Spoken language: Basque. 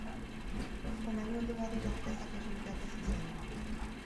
Honaino heldu badira, ez da kasualitatez izango.